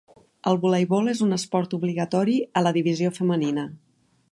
El voleibol és un esport obligatori a la divisió femenina.